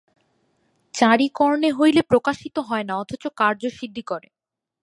চারি কর্ণে হইলে প্রকাশিত হয় না অথচ কার্যসিদ্ধি করে।